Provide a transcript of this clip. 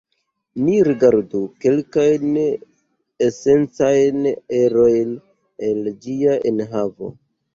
Ni rigardu kelkajn esencajn erojn el ĝia enhavo.